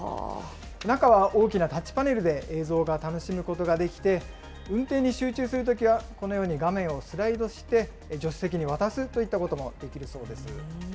中は大きなタッチパネルで映像が楽しむことができて、運転に集中するときは、このように画面をスライドして、助手席に渡すといったこともできるそうです。